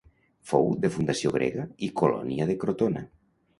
Fou de fundació grega i colònia de Crotona.